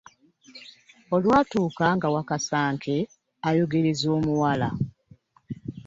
Olwatuuka nga Wakasanke ayogereza omuwala.